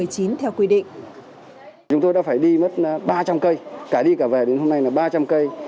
chúng tôi đã phải đi mất ba trăm linh cây cả đi cả về đến hôm nay là ba trăm linh cây